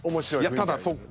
ただそっか。